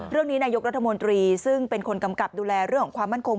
เรื่องนี้นายกรัฐมนตรีซึ่งเป็นคนกำกับดูแลเรื่องของความมั่นคง